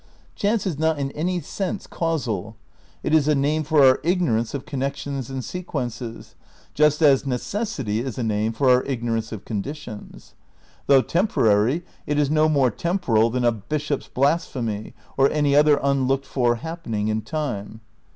Chance is not in any sense causal, it is a name for our ignorance of connec tions and sequences, just as necessity is a name for our ignorance of conditions. Though temporary, it is no more temporal than a bishop's blasphemy or any other unlooked for happening in time.